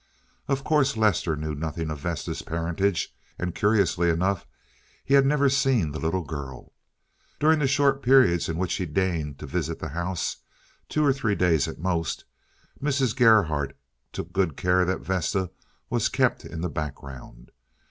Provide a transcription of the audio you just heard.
Of course Lester knew nothing of Vesta's parentage, and curiously enough he had never seen the little girl. During the short periods in which he deigned to visit the house—two or three days at most—Mrs. Gerhardt took good care that Vesta was kept in the background.